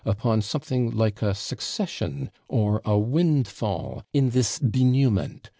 upon something like a succession, or a windfall, in this DENEWMENT.